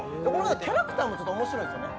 キャラクターもすごいんですよね。